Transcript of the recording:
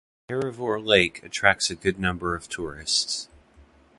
Paravur Lake attracts a good number of tourists.